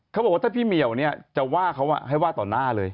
เขาบอกว่าถ้าพี่เหมียวเนี่ยจะว่าเขาให้ว่าต่อหน้าเลย